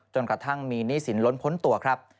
กระทั่งมีหนี้สินล้นพ้นตัวครับ